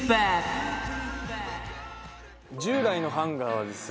従来のハンガーはですね